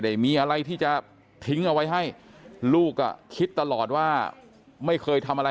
ได้มีอะไรที่จะทิ้งเอาไว้ให้ลูกอ่ะคิดตลอดว่าไม่เคยทำอะไร